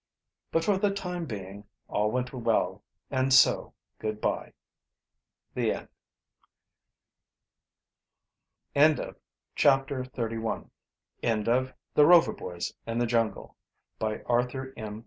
But for the time being all went well, and so good by. The End End of Project Gutenberg's The Rover Boys in the Jungle, by Arthur M.